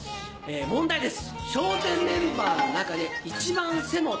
問題です。